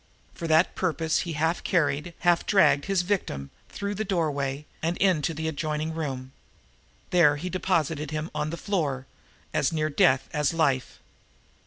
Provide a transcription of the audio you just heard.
For that purpose he half carried, half dragged his victim through the doorway and into the adjoining room. There he deposited him on the floor, as near death as life.